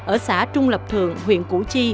ở xã trung lập thượng huyện củ chi